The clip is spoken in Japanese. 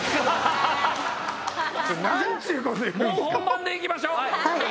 もう本番で行きましょう！